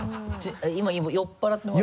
今酔っぱらってます？